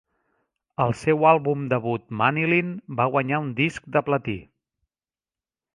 El seu àlbum debut "Manilyn" va guanyar un disc de platí.